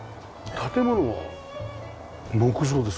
建物は木造です。